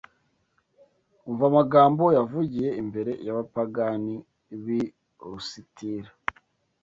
Umva amagambo yavugiye imbere y’abapagani b’i Lusitira